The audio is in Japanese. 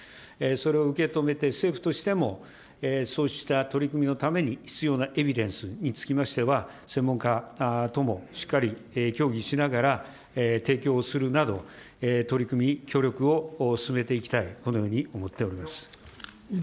それを受け止めて、政府としても、そうした取り組みのために、必要なエビデンスにつきましては、専門家ともしっかり協議しながら、提供をするなど、取り組み、協力を進めていきたい、このように思っております。